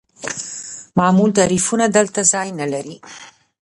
معمول تعریفونه دلته ځای نلري.